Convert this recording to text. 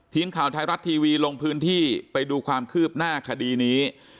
ทีมข่าวไทยรัฐทีวีลงพื้นที่ไปดูความคืบหน้าคดีนี้